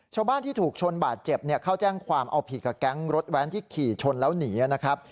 ชาวบ้านที่ถูกชนบาดเจ็บเข้าแจ้งความเอาผิดกับแก๊งรถแว้นที่ขี่ชนแล้วหนีนะครับ